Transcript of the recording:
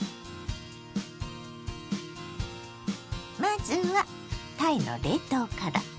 まずはたいの冷凍から。